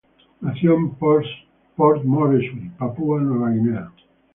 Nació en Port Moresby, Papúa-Nueva Guinea.